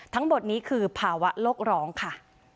ทั้งหมดนี้คือภาวะโลกร้องค่ะ